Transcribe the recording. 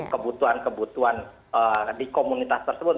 kebutuhan kebutuhan di komunitas tersebut